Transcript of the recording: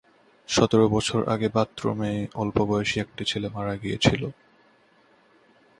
সতের বছর আগে বাথরুমে অল্পবয়সী একটা ছেলে মারা গিয়েছিল।